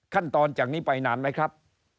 ขั้นตอนจากนี้ไปนานไหมครับ